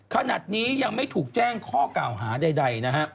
ขณะนี้ยังไม่ถูกแจ้งข้อกล่าวหาใดนะฮะ